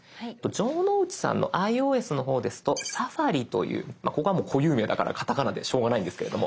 城之内さんのｉＯＳの方ですと「Ｓａｆａｒｉ」というここはもう固有名だからカタカナでしょうがないんですけれども「サファリ」。